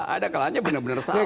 ada kalanya benar benar salah